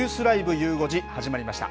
ゆう５時、始まりました。